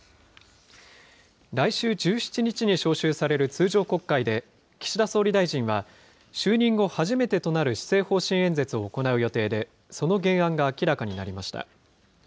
来週１７日に召集される通常国会で、岸田総理大臣は、就任後初めてとなる施政方針演説を行う予定で、その原案が明らかになりました。